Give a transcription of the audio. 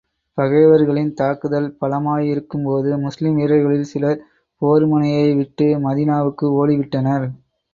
பகைவர்களின் தாக்குதல் பலமாயிருக்கும் போது, முஸ்லிம் வீரர்களில் சிலர் போர்முனையை விட்டு மதீனாவுக்கு ஓடி விட்டனர்.